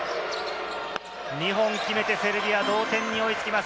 ２本決めてセルビア、同点に追いつきます。